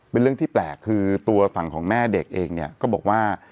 เป็นเรื่องที่แปลกคือตัวฝั่งของแม่เด็กเองเนี่ยก็บอกว่า